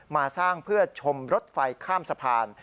มาสร้างเพื่อชมรถไฟข้ามสะพาน